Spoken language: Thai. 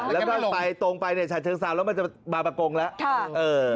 แล้วก็ไปตรงไปในฉันเชิง๓แล้วมันจะมาประกงแล้ว